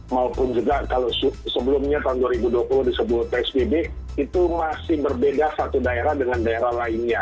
maupun juga kalau sebelumnya tahun dua ribu dua puluh disebut psbb itu masih berbeda satu daerah dengan daerah lainnya